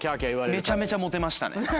めちゃめちゃモテました。